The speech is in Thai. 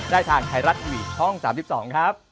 ได้ทางไทรัตวิช่อง๓๒ครับ